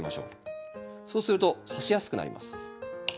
そうするとさしやすくなります。